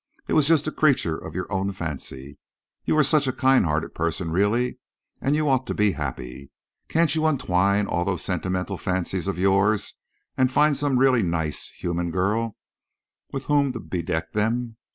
It was just a creature of your own fancy. You are such a kind hearted person really, and you ought to be happy. Can't you untwine all those sentimental fancies of yours and find some really nice, human girl with whom to bedeck them?